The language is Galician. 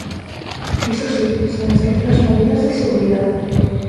Iso si, sen esquecer as medidas de seguridade.